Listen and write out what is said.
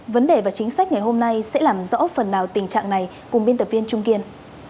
vấn đề và chính sách ngày hôm nay sẽ làm rõ phần nào tình trạng này cùng biên tập viên trung kiên